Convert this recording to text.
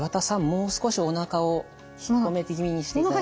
もう少しおなかを引っ込め気味にしていただいて。